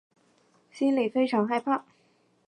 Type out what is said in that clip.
心里非常害怕